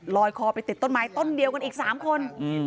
คอไปติดต้นไม้ต้นเดียวกันอีก๓คน